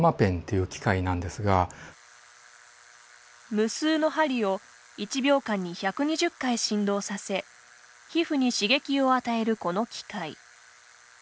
無数の針を１秒間に１２０回振動させ皮膚に刺激を与えるこの機械。